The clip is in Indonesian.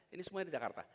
ini semuanya jakarta